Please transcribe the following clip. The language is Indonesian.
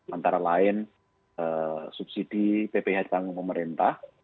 antara lain subsidi pph di tanggung pemerintah